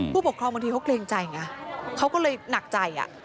ผู้ปกครองบางทีเขาเกรงใจไงเขาก็เลยหนักใจ